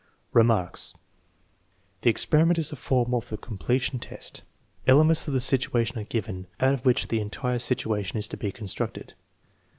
Remarks. The experiment is a form of the completion test. Elements of a situation are given, out of which the entire situation is to be constructed.